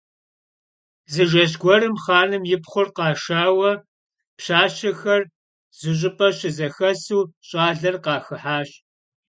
Zı jjeş guerım xhanım yipxhuri khaşşaue pşaşexer zış'ıp'e şızexesu ş'aler khaxıhaş.